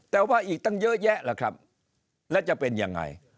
แต่ว่าอีกตั้งเยอะแยะแล้วครับและจะเป็นอย่างไร